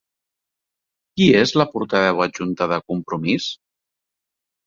Qui és la portaveu adjunta de Compromís?